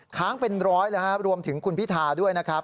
ค้างเป็นร้อยเลยฮะรวมถึงคุณพิธาด้วยนะครับ